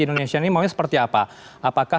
indonesia ini maunya seperti apa apakah